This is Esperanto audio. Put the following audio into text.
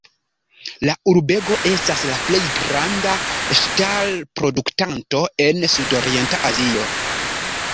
La urbego estas la plej granda ŝtalproduktanto en Sudorienta Azio.